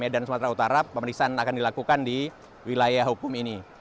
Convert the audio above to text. dan sumatera utara pemeriksaan akan dilakukan di wilayah hukum ini